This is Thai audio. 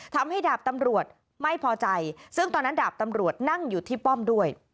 ดาบตำรวจไม่พอใจซึ่งตอนนั้นดาบตำรวจนั่งอยู่ที่ป้อมด้วย